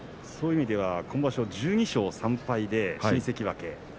そういう意味では今場所１２勝３敗で新関脇。